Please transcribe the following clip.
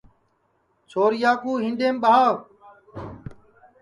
چھوریا کُُو ہینٚڈؔیم ٻاو